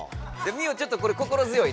ミオちょっとこれ心強いね。